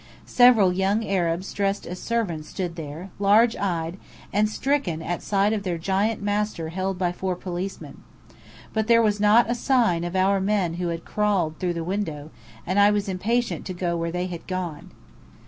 Several young Arabs dressed as servants stood there, large eyed, and stricken at sight of their giant master held by four policemen. But there was not a sign of our men who had crawled through the window, and I was impatient to go where they had gone.